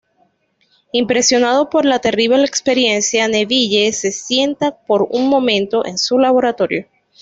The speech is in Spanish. Impresionado por la terrible experiencia, Neville se sienta por un momento en su laboratorio.